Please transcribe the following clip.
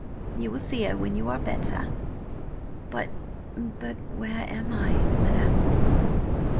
You will see her when you are better." "But–but–where am I, madam?"